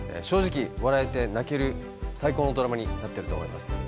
正直、笑えて泣ける最高のドラマになっていると思います。